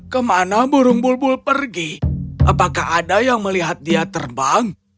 kemana burung bulbul pergi apakah ada yang melihat dia terbang